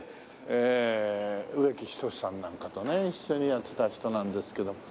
え植木等さんなんかとね一緒にやってた人なんですけど。